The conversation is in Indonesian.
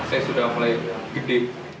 saya sudah mulai gede